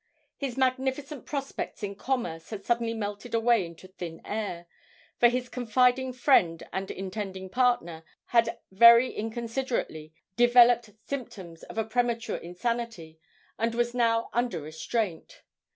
His magnificent prospects in commerce had suddenly melted away into thin air, for his confiding friend and intending partner had very inconsiderately developed symptoms of a premature insanity, and was now 'under restraint.'